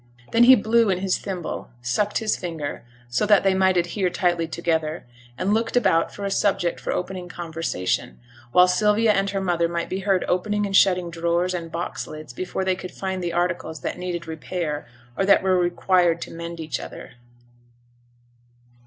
Then he blew in his thimble, sucked his finger, so that they might adhere tightly together, and looked about for a subject for opening conversation, while Sylvia and her mother might be heard opening and shutting drawers and box lids before they could find the articles that needed repair, or that were required to mend each other.